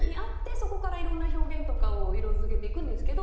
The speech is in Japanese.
そこからいろんな表現とかを色付けていくんですけど。